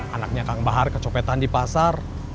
anaknya kang bahar kecopetan di pasar